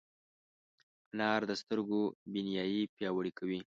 انار د سترګو بینايي پیاوړې کوي.